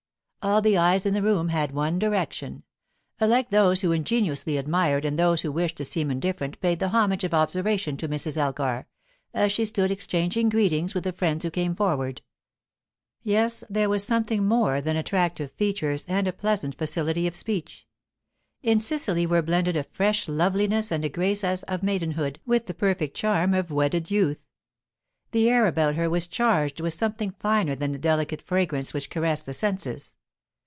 All the eyes in the room had one direction. Alike those who ingenuously admired and those who wished to seem indifferent paid the homage of observation to Mrs. Elgar, as she stood exchanging greetings with the friends who came forward. Yes, there was something more than attractive features and a pleasant facility of speech. In Cecily were blended a fresh loveliness and a grace as of maidenhood with the perfect charm of wedded youth. The air about her was charged with something finer than the delicate fragrance which caressed the senses.